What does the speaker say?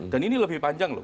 dan ini lebih panjang loh